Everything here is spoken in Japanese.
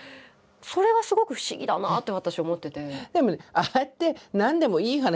それがすごく不思議だなって私思ってて。